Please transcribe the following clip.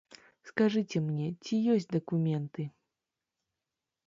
Скажыце мне, ці ёсць дакументы?